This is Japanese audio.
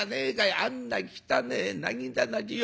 あんな汚えなぎなたによ